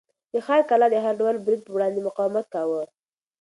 د ښار کلا د هر ډول برید په وړاندې مقاومت کاوه.